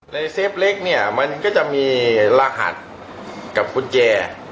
เซฟเล็กเนี่ยมันก็จะมีรหัสกับกุญแจ